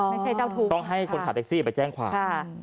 เจ้าทุกข์ต้องให้คนขับแท็กซี่ไปแจ้งความ